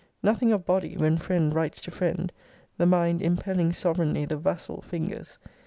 Nothing of body, when friend writes to friend; the mind impelling sovereignly the vassal fingers.